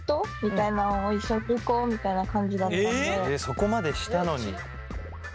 そこまでしたのに。